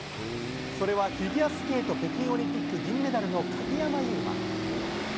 それはフィギュアスケート北京オリンピック銀メダルの鍵山優真。